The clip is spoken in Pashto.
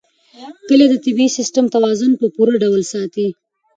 کلي د طبعي سیسټم توازن په پوره ډول ساتي.